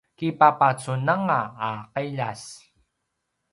kipapacunanga a ’iljas